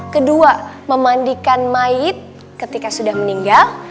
kedua memandikan mayat ketika sudah meninggal